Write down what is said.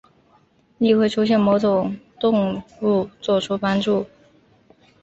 亦会出现某些动物作出帮助。